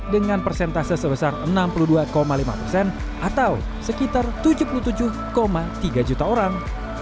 dengan persentase sebesar enam puluh dua lima persen atau sekitar tujuh puluh tujuh tiga juta orang